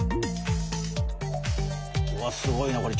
うわすごいなこれ。